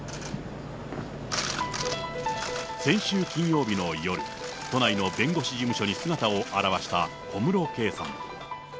先週金曜日の夜、都内の弁護士事務所に姿を現した小室圭さん。